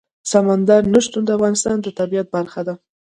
سمندر نه شتون د افغانستان د طبیعت برخه ده.